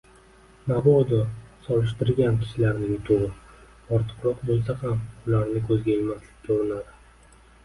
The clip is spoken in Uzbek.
Mobodo solishtirgan kishilarining yutug`i ortiqroq bo`lsa ham ularni ko`zga ilmaslikka urinadi